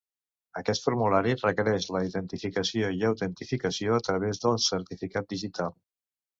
Aquest formulari requereix la identificació i autentificació a través de certificat digital.